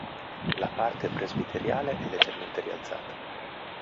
La parte presbiteriale è leggermente rialzata.